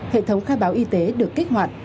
hệ thống khai báo y tế được kích hoạt